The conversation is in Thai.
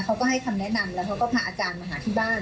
เขาก็ให้คำแนะนำแล้วเขาก็พาอาจารย์มาหาที่บ้าน